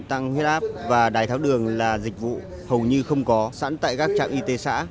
tăng huyết áp và đái tháo đường là dịch vụ hầu như không có sẵn tại các trạm y tế xã